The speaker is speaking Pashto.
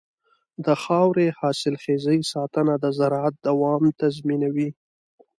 د خاورې حاصلخېزۍ ساتنه د زراعت دوام تضمینوي.